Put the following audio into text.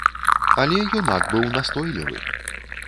Але юнак быў настойлівы.